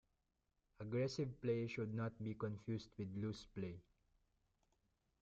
Aggressive play should not be confused with loose play.